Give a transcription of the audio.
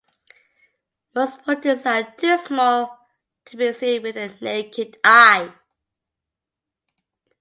Most protists are too small to be seen with the naked eye.